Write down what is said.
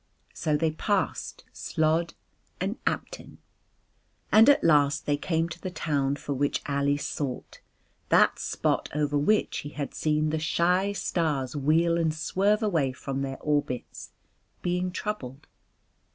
So they passed Slod and Apton. And at last they came to the town for which Ali sought, that spot over which he had seen the shy stars wheel and swerve away from their orbits, being troubled.